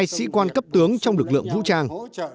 hai mươi hai sĩ quan cấp tướng trong lực lượng vũ trang